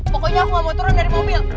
pokoknya aku mau turun dari mobil